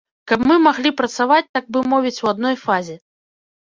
Каб мы маглі працаваць, так бы мовіць, у адной фазе.